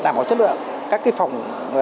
làm có chất lượng các cái phòng